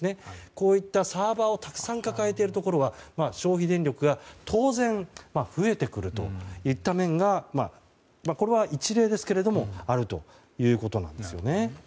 こういったサーバーをたくさん抱えているところは消費電力が当然増えてくるといった面がこれは一例ですがあるということなんです。